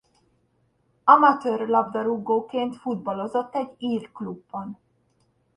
Amatőr labdarúgóként futballozott egy ír klubban.